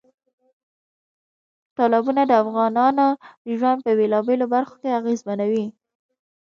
تالابونه د افغانانو ژوند په بېلابېلو برخو کې اغېزمنوي.